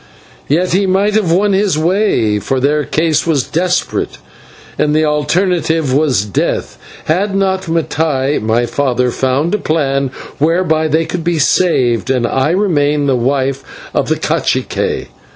Yet he might have won his way, for their case was desperate, and the alternative was death had not Mattai, my father, found a plan whereby they could be saved and I remain the wife of the /cacique